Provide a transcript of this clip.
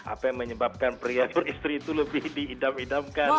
apa yang menyebabkan pria beristri itu lebih diidam idamkan